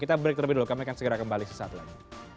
kita break terlebih dulu kami akan segera kembali sesaat lagi